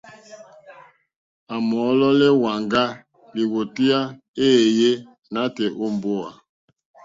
À mòlólɛ́ èwàŋgá lìwòtéyá éèyé nǎtɛ̀ɛ̀ nǒ mbówà.